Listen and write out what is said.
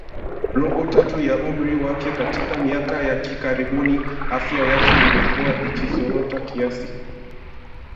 robo tatu ya umri wake Katika miaka ya karibuni afya yake imekuwa ikizorota kiasi